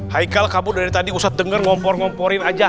haikal kamu dari tadi ustad denger ngompor ngomporin aja